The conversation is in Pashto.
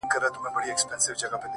د قبر ته څو پېغلو څو زلميو ماښام’